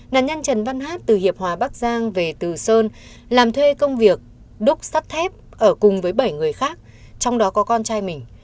nạn nhân trần văn hát từ hiệp hòa bắc giang về từ sơn làm thuê công việc đúc sắt thép ở cùng với bảy người khác trong đó có con trai mình